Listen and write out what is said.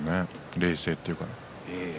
冷静というか。